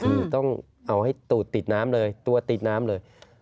คือต้องเอาให้ตูดติดน้ำเลยตัวติดน้ำเลย